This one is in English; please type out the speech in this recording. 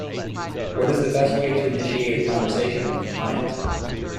What is the best way to initiate a conversation with a client?